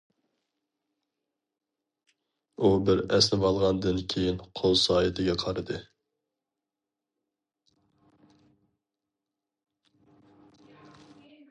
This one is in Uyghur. ئۇ بىر ئەسنىۋالغاندىن كىيىن قول سائىتىگە قارىدى.